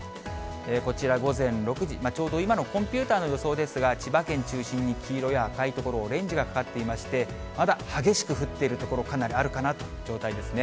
こちら午前６時、ちょうど今のコンピューターの予想ですが、千葉県中心に黄色や赤い所、オレンジがかかっていまして、まだ激しく降っている所、かなりあるかなという状態ですね。